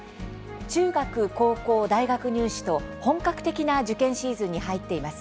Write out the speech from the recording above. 中学、高校、大学入試と本格的な受験シーズンに入っています。